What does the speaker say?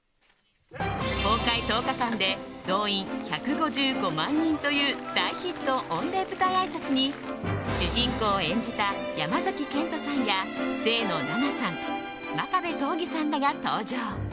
公開１０日間で動員１５５万人という大ヒット御礼舞台あいさつに主人公を演じた山崎賢人さんや清野菜名さん、真壁刀義さんらが登場。